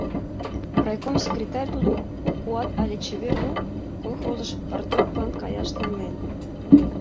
Райком секретарь тудым «У куат» але «Чевер нур» колхозыш парторглан каяш темлен.